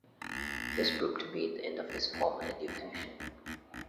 This proved to be the end of his formal education.